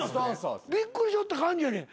びっくりしよった感じやねん。